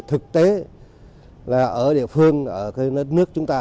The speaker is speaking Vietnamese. thực tế là ở địa phương ở cái đất nước chúng ta